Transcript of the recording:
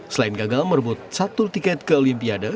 selain gagal merebut satu tiket ke olimpiade